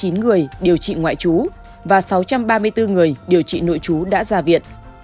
ba trăm sáu mươi chín người điều trị ngoại trú và sáu trăm ba mươi bốn người điều trị nội trú đã ra viện